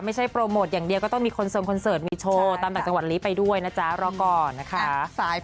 มันทำอย่างหลายอย่างจริงแล้ว